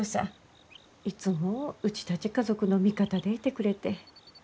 いつもうちたち家族の味方でいてくれて。